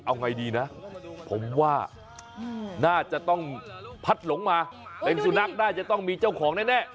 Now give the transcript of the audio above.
เอาไงดีนะผมว่าน่าจะต้องพัดหลงมาเป็นสุนัขน่าจะต้องมีเจ้าของแน่